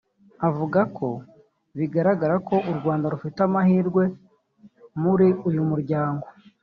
avuga ko bigaragara ko u Rwanda rufite amahirwe muri uyu muryango